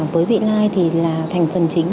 với vị lai thì là thành phần chính